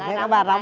đây là bài gióng